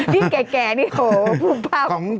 นี่แก่นี่โหผูกเผ่า